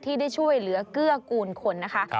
ที่ได้ช่วยเหลือเกื้อกูลคนนะคะ